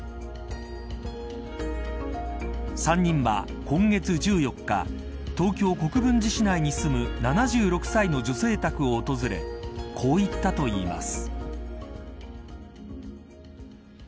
３人は今月１４日東京、国分寺市内に住む７６歳の女性宅を訪れこう言ったといいます。